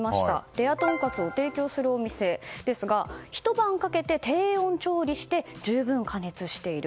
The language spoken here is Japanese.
レアとんかつを提供しているお店ですがひと晩かけて低温調理して十分、加熱している。